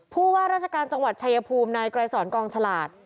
ผู้ว่าราชการจังหวัดชายภูมินายไกรสอนกองฉลาด